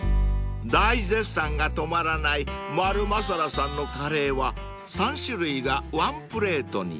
［大絶賛が止まらない丸祇羅さんのカレーは３種類がワンプレートに］